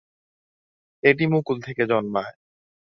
এটি মুকুল থেকে জন্মায়।